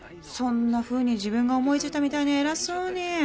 そんなふうに自分が思いついたみたいに偉そうに。